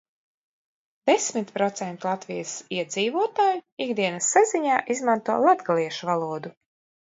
Desmit procenti Latvijas iedzīvotāju ikdienas saziņā izmanto latgaliešu valodu.